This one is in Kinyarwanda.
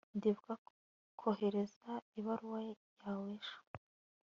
ndibuka kohereza ibaruwa yawe ejo